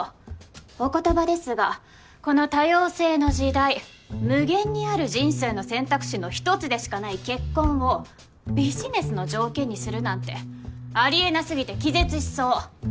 お言葉ですがこの多様性の時代無限にある人生の選択肢の１つでしかない結婚をビジネスの条件にするなんてありえなすぎて気絶しそう。